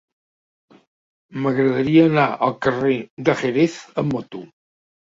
M'agradaria anar al carrer de Jerez amb moto.